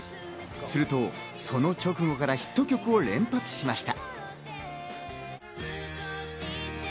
するとその直後からヒット曲を連発しました。